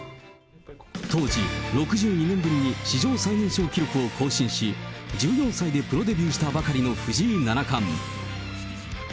当時、６２年ぶりに史上最年少記録を更新し、１４歳でプロデビューしたばかりの藤井七冠。